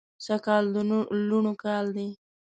سږ کال د لوڼو کال دی